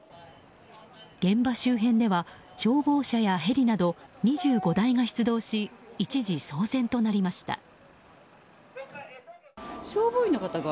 現場周辺では、消防車やヘリなど２５台が出動し一時騒然となりました。